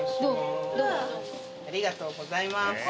ありがとうございます